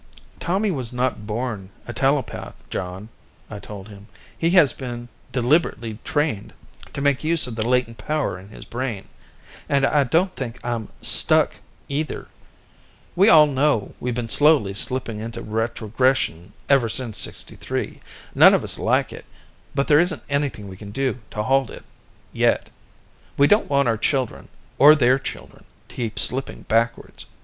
"Tommy was not born a telepath, John," I told him. "He has been deliberately trained to make use of the latent power in his brain. And I don't think I'm 'stuck' either. We all know we've been slowly slipping into retrogression ever since '63. None of us like it, but there isn't anything we can do to halt it yet. We don't want our children, or their children, to keep slipping backwards.